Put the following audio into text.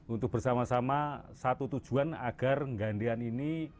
untuk bersama sama satu tujuan agar gandean ini